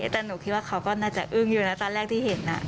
แต่หนูคิดว่าเขาก็น่าจะอึ้งอยู่นะตอนแรกที่เห็น